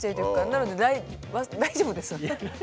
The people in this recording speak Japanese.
なので大丈夫です。